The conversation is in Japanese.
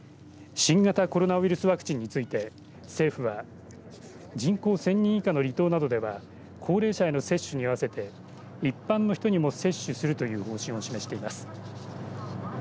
新型コロナウイルスワクチンについて政府は人口１０００人以下の離島などでは高齢者への接種に合わせて一般の人にも接種するという方針を示しています。